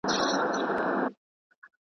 چي د ښځي په نه سړيتوب کي